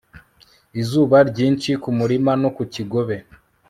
izuba ryinshi kumurima no ku kigobe